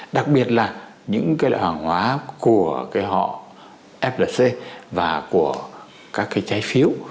đặc biệt là những loại hàng hóa của họ flc và của các trái phiếu